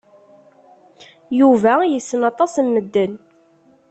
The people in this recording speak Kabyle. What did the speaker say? Yuba yessen aṭas n medden.